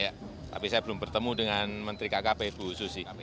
tapi saya belum bertemu dengan menteri kkp ibu susi